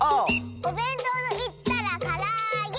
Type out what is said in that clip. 「おべんとうといったらからあげ！」